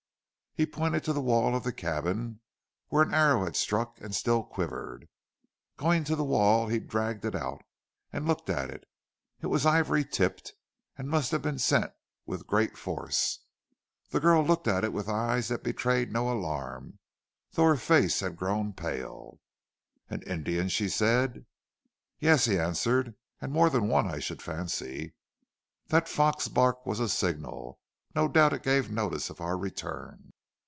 He pointed to the wall of the cabin, where an arrow had struck, and still quivered. Going to the wall he dragged it out, and looked at it. It was ivory tipped, and must have been sent with great force. The girl looked at it with eyes that betrayed no alarm, though her face had grown pale. "An Indian!" she said. "Yes," he answered. "And more than one I should fancy. That fox bark was a signal. No doubt it gave notice of our return."